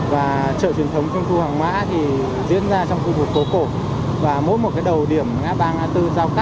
và trợ truyền thống trung thu hàng mã thì diễn ra trong khu vực phố cổ và mỗi một đầu điểm ngã ba ngã bốn giao cắt với khu vực trợ